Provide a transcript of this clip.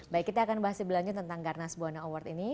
baik kita akan bahas lebih lanjut tentang garnas buwana award ini